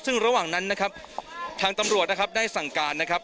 ซึ่งระหว่างนั้นนะครับทางตำรวจนะครับได้สั่งการนะครับ